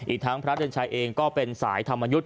อีกทั้งพระเดือนชัยเองก็เป็นสายธรรมยุทธ์